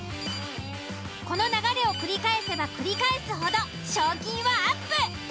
この流れを繰り返せば繰り返すほど賞金はアップ。